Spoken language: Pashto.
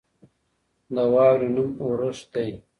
د واورې نوم اورښت دی.